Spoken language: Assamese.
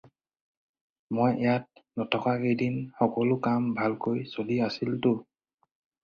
মই ইয়াত নথকা কেদিন সকলো কাম ভালকৈ চলি আছিল তো?